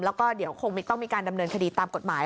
แล้วก็เดี๋ยวคงต้องมีการดำเนินคดีตามกฎหมาย